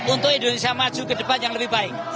untuk indonesia maju ke depan yang lebih baik